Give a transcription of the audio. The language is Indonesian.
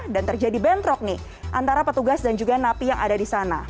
dan terjadi bentrok nih antara petugas dan juga napi yang ada di sana